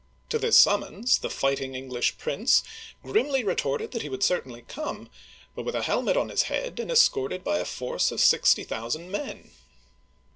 To this summons the fighting English Prince grimly retorted that he would certainly come, but with a helmet on his head and escorted by a force of sixty thou sand men